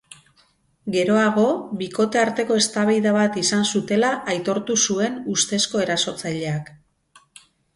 Geroago, bikote arteko eztabaida bat izan zutela aitortu zuen ustezko erasotzaileak.